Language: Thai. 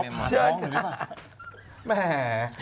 พี่เชื่อดหนึ่ง